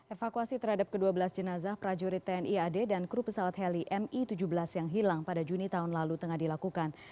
evakuasi terhadap ke dua belas jenazah prajurit tni ad dan kru pesawat heli mi tujuh belas yang hilang pada juni tahun lalu tengah dilakukan